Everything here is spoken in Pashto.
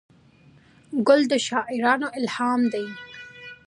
ګل د شاعرانو الهام دی.